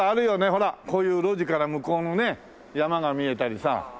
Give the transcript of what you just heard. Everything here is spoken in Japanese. ほらこういう路地から向こうのね山が見えたりさ。